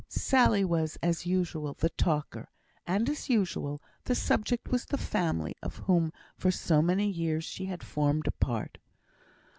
Sally was, as usual, the talker; and, as usual, the subject was the family of whom for so many years she had formed a part.